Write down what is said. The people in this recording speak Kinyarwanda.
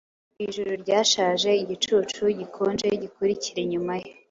Ku ijuru ryashaje Igicucu gikonje gikurikira inyuma ye